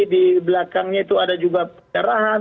di belakangnya itu ada juga pencerahan